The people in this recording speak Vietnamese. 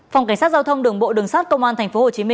phòng cảnh sát giao thông đường bộ đường sát công an tp hcm